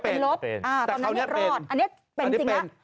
อันนี้เป็นจริงนะ